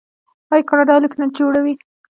آیا کاناډا الوتکې نه جوړوي؟